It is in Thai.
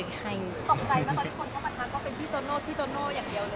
ตกใจไหมตอนที่คนเข้ามาทางก็เป็นที่จอโน่อย่างเดียวเลย